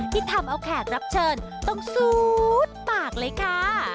ที่ทำเอาแขกรับเชิญต้องซูดปากเลยค่ะ